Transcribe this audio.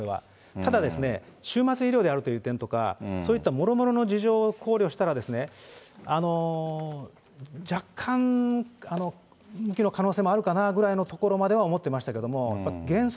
ただですね、終末医療であるという点であるとか、そういったもろもろの事情を考慮したら、若干、無期の可能性もあるかなぐらいのところまでは思ってましたけど。